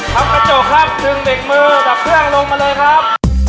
ครับกระจกครับดึงเบรกมือกับเครื่องลงมาเลยครับ